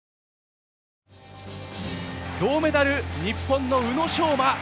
銅メダル、日本の宇野昌磨。